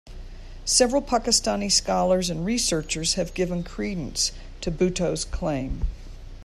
Several Pakistani scholars and researchers have given credence to Bhutto's claim.